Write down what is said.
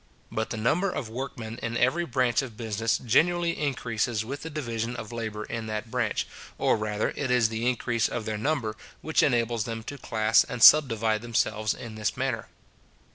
But the number of workmen in every branch of business generally increases with the division of labour in that branch; or rather it is the increase of their number which enables them to class and subdivide themselves in this manner.